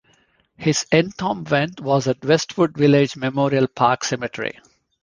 His entombment was at Westwood Village Memorial Park Cemetery.